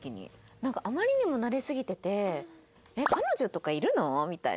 なんかあまりにも慣れすぎてて「えっ彼女とかいるの？」みたいな。